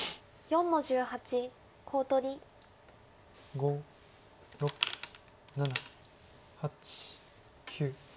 ５６７８９。